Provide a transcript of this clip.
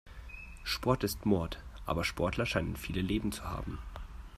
Sport ist Mord, aber Sportler scheinen viele Leben zu haben.